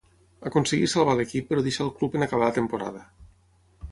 Aconseguí salvar l'equip però deixà el club en acabar la temporada.